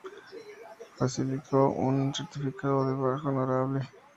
Falsificó un certificado de baja honorable.